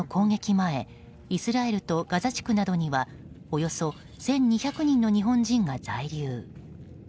前イスラエルとガザ地区などにはおよそ１２００人の日本人が在留。